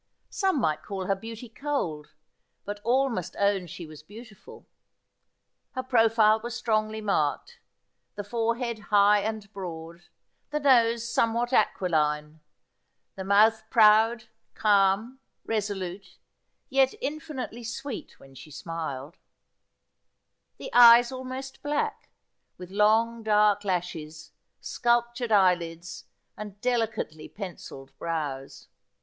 Seme might call her beauty cold, but all must own she was beautiful. Her profile was strongly marked, the fore head high and broad, the nose somewhat aquiline ; the mouth proud, calm, resolute, yet infinitely sweet when she smiled ; the eyes almost black, with long dark lashes, sculptured eye lids, and delicately pencilled brows.